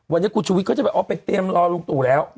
วันนี้คุณชุวิตเขาจะแบบออกไปเตรียมรอลุงตู่แล้ว